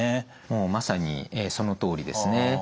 もうまさにそのとおりですね。